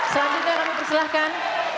selanjutnya kami persilahkan